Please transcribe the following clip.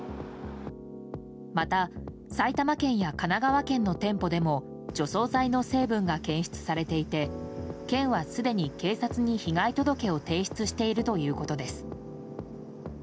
また埼玉県や神奈川県の店舗でも除草剤の成分が検出されていて県はすでに、警察に被害届を提出しているということです。